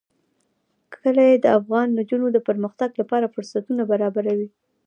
کلي د افغان نجونو د پرمختګ لپاره فرصتونه برابروي.